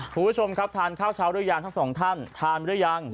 ผู้ชมครับทานข้าวเช้าทั้งสองท่านได้ยัง